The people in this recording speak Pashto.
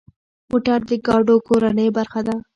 موټر د ګاډو کورنۍ برخه ده.